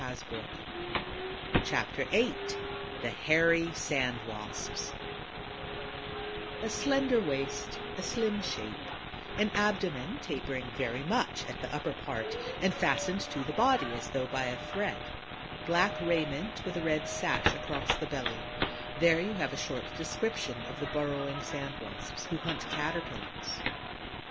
CHAPTER VIII THE HAIRY SAND WASPS A slender waist, a slim shape; an abdomen tapering very much at the upper part and fastened to the body as though by a thread; black raiment with a red sash across the belly: there you have a short description of the burrowing Sand Wasps, who hunt Caterpillars.